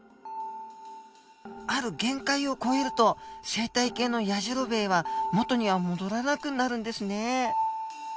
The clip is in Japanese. ある限界を超えると生態系のやじろべえは元には戻らなくなるんですね。